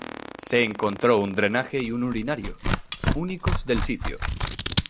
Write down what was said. Se encontró un drenaje y un urinario, únicos del sitio.